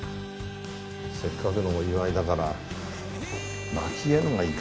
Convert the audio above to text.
せっかくのお祝いだから。